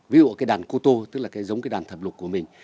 ví dụ cái đàn koto tức là cái giống cái đàn thập lục của mình